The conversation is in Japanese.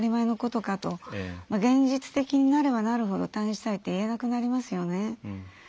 現実的になればなるほど退院したいって言えなくなりますよね。